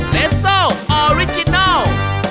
เลสเซิลอาริจินัล